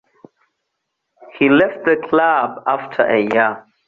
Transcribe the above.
He left the club after a year.